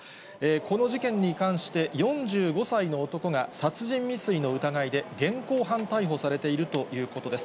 この事件に関して、４５歳の男が殺人未遂の疑いで現行犯逮捕されているということです。